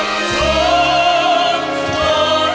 คงยืนยันสู้ไปไฟประจันทร์